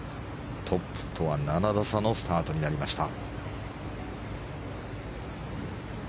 トップとは７打差のスタートになりました。